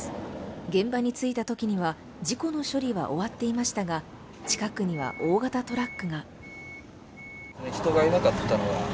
現場に着いたときには事故の処理は終わっていましたが近くには大型トラックが。